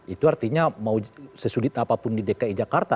itu artinya mau sesulit apapun di dki jakarta